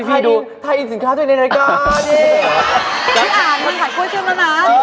พี่อ่านมีขัดกล้วยชื่นแล้วนะ